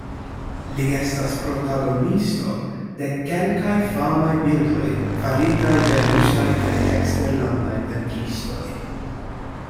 Li estas protagonisto de kelkaj famaj bildoj faritaj de rusaj kaj eksterlandaj pentristoj.